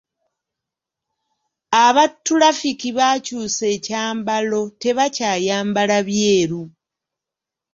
Aba ttulafiki baakyusa ekyambalo, tebakyayambala byeru.